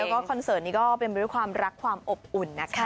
แล้วก็คอนเสิร์ตนี้ก็เป็นไปด้วยความรักความอบอุ่นนะคะ